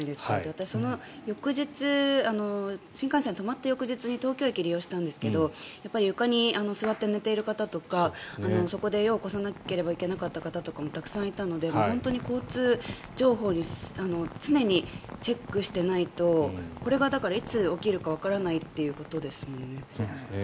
私、その翌日新幹線が止まった翌日に東京駅を利用したんですが床に座って寝ている方とか、夜を越さなければいけなかった方もたくさんいたので本当に交通情報を常にチェックしてないとこれがいつ起きるかわからないということですもんね。